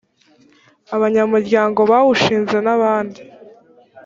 abanyamuryango bawushinze n abandi